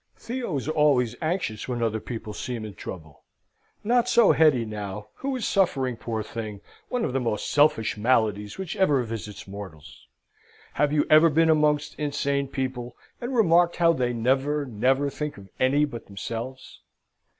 Theo is always anxious when other people seem in trouble; not so Hetty, now, who is suffering, poor thing, one of the most selfish maladies which ever visits mortals. Have you ever been amongst insane people, and remarked how they never, never think of any but themselves?